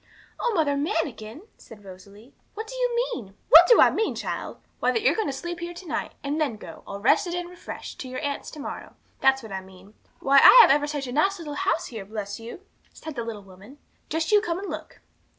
'Oh, Mother Manikin,' said Rosalie, 'what do you mean?' 'What do I mean, child? Why, that you're to sleep here to night, and then go, all rested and refreshed, to your aunt's to morrow. That's what I mean. Why, I have ever such a nice little house here, bless you!' said the little woman. 'Just you come and look.'